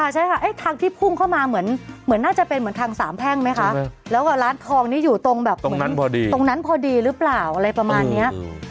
ใช่ค่ะทางที่พุ่งเข้ามาเหมือนน่าจะเป็นเหมือนทางสามแพ่งไหมคะแล้วก็ร้านทองนี้อยู่ตรงแบบตรงนั้นพอดีตรงนั้นพอดีหรือเปล่าอะไรประมาณนี้